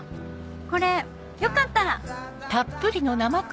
これよかったら。